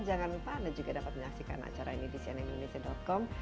jangan lupa anda juga dapat menyaksikan acara ini di cnnindonesia com